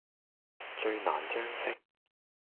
最難將息。